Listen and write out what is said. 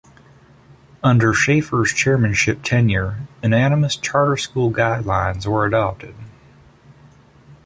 Under Schaffer's chairmanship tenure, unanimous charter school guidelines were adopted.